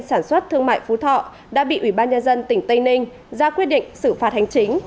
sản xuất thương mại phú thọ đã bị ủy ban nhân dân tỉnh tây ninh ra quyết định xử phạt hành chính